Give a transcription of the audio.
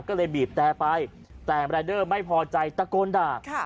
ก็เลยบีบแต่ไปแต่รายเดอร์ไม่พอใจตะโกนด่า